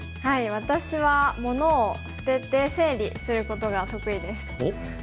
私は物を捨てて整理することが得意です。